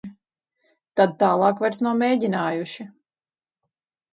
Tad tālāk vairs nav mēģinājuši.